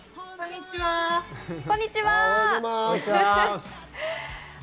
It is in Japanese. こんにちは。